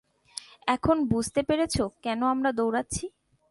এখন বুঝতে পেরেছ কেন আমরা দৌড়াচ্ছি?